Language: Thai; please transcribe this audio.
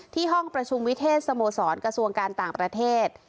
ห้องประชุมวิเทศสโมสรกระทรวงการต่างประเทศ